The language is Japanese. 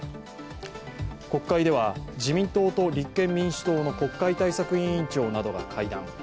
国会では自民党と立憲民主党の国会対策委員長などが会談。